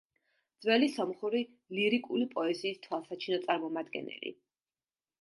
ძველი სომხური ლირიკული პოეზიის თვალსაჩინო წარმომადგენელი.